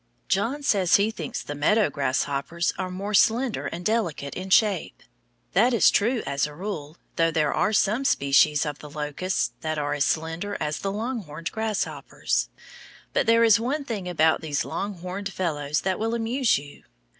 John says he thinks the meadow grasshoppers are more slender and delicate in shape. That is true, as a rule, though there are some species of the locusts that are as slender as the longhorned grasshoppers. But there is one thing about these longhorned fellows that will amuse you.